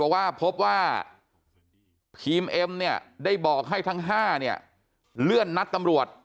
ว่าพบว่าพีมเอ็มเนี่ยได้บอกให้ทั้ง๕เนี่ยเลื่อนนัดตำรวจ